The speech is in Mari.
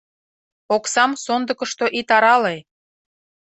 Оксам сондыкышто ит арале!